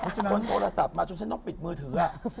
โทรศัพท์มาจนชั้นต้องปิดมือถือ